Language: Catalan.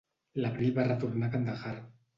L'abril va retornar a Kandahar.